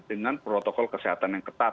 dengan protokol kesehatan yang ketat